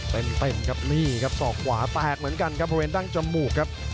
ส่องขวาแปลกเหมือนกันบริเวณด้างจมูก